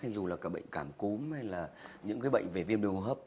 hay dù là cả bệnh cảm cúm hay là những cái bệnh về viêm đường hộp